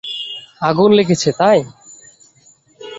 আগুন লেগেছে, তাই?